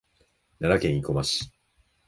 奈良県生駒市